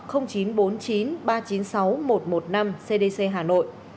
chín trăm bốn mươi chín ba trăm chín mươi sáu một trăm một mươi năm cdc hà nội